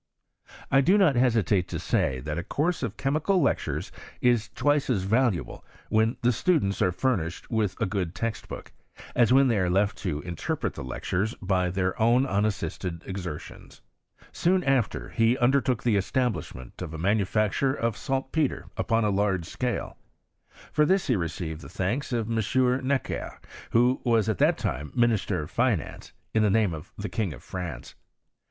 I do not hesitate to say, that a course of chemical lectures is twice as valuable when the students are furnished with a good text book, as when they are left to interpret the lec» twes by their own unassisted exertions. Soon after he undertook the establishment of a manufacture of saltpetre upon a large scale. For this he received the thanks of M. Necker, who was at that time minister of finance, in the name of the King of France.